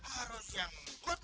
atau still work